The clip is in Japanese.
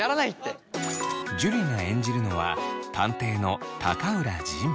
樹が演じるのは探偵の高浦仁。